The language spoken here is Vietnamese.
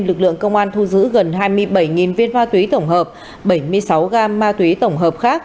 lực lượng công an thu giữ gần hai mươi bảy viên ma túy tổng hợp bảy mươi sáu gam ma túy tổng hợp khác